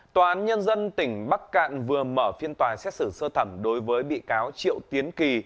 tòa án nhân dân tỉnh bắc cạn vừa mở phiên tòa xét xử sơ thẩm đối với bị cáo triệu tiến kỳ